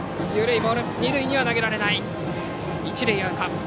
二塁には投げられない一塁、アウト。